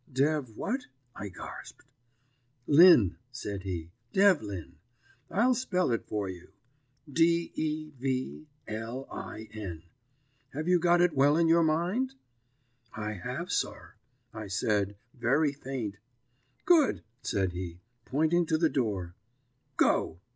"'Dev what?' I garsped. "'Lin,' said he. 'Devlin. I'll spell it for you. D e v l i n. Have you got it well in your mind?' "'I have, sir,' I said, very faint. "'Good,' said he, pointing to the door. 'Go.'